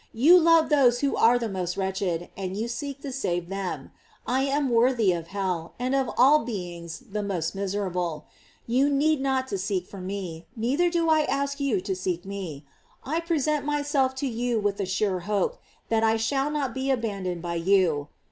You love those who are the most wretched, and you seek to save them. I am worthy of hell, and of all beings the most miserable; you need not to seek me, neither do I ask you to seek me; I present my self to you with a sure hope that I shall not be abandoned by you.